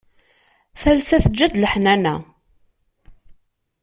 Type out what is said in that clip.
Talsa teǧǧa-tt leḥnana.